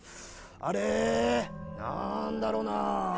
あれ、何だろうな。